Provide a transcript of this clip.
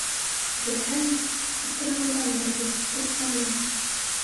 Белһә лә, аптырағандан барҙы, ҡурҡҡандан.